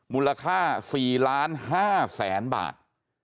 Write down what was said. มูลค่า๔๕๐๐๐๐บาท